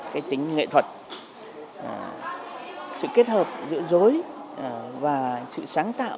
cái tính nghệ thuật sự kết hợp giữa dối và sự sáng tạo